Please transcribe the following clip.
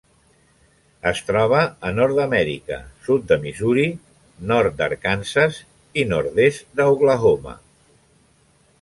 Es troba a Nord-amèrica: sud de Missouri, nord d'Arkansas i nord-est d'Oklahoma.